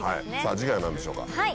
次回は何でしょうか？